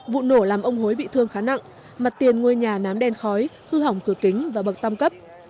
vụ nổ làm ông hối bị thương khá nặng mặt tiền ngôi nhà nám đen khói hư hỏng cửa kính và bậc tam cấp